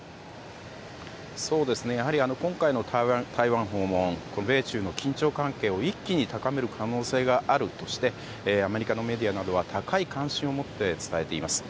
やはり今回の台湾訪問米中の緊張関係を一気に高める可能性があるとしてアメリカのメディアなどは高い関心を持って伝えています。